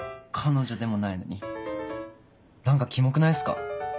彼女でもないのに何かキモくないっすか？